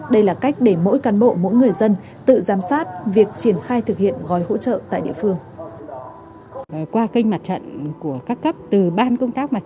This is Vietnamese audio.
đây là cách để mỗi cán bộ mỗi người dân tự giám sát việc triển khai thực hiện gói hỗ trợ tại địa phương